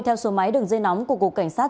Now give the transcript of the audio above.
theo số máy đường dây nóng của cục cảnh sát